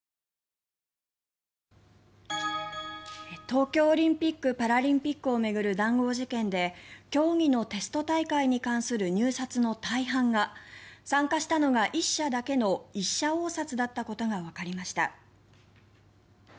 東京オリンピック・パラリンピックを巡る談合事件で競技のテスト大会に関する入札の大半が参加したのが１社だけの１社応札だったことがわかりました。